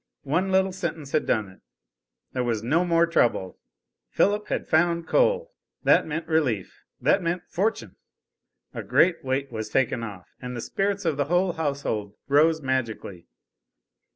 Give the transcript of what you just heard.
One little sentence had done it. There was no more trouble. Philip had found coal. That meant relief. That meant fortune. A great weight was taken off, and the spirits of the whole household rose magically.